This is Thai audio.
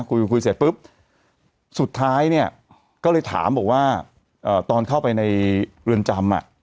คุยคุยเสร็จปุ๊บสุดท้ายเนี่ยก็เลยถามบอกว่าตอนเข้าไปในเรือนจำอ่ะ